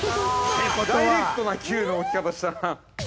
ダイレクトなＱの置き方したな。